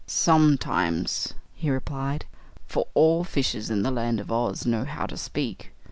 "Sometimes," he replied, "for all fishes in the Land of Oz know how to speak.